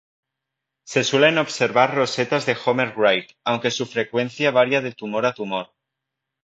Se suelen observar rosetas de Homer-Wright aunque su frecuencia varía de tumor a tumor.